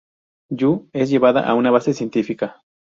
Yuu es llevada a una base científica.